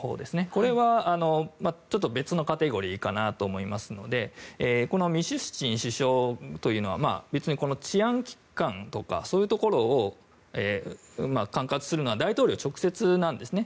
これは別のカテゴリかなと思いますのでこのミシュスチン首相というのは別に治安機関とかそういうところを管轄するのは大統領直接なんですね。